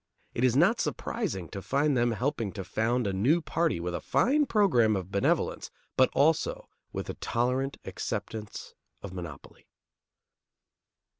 It is not surprising to find them helping to found a new party with a fine program of benevolence, but also with a tolerant acceptance of monopoly.